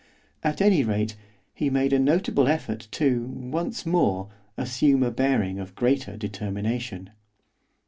At any rate, he made a notable effort to, once more, assume a bearing of greater determination.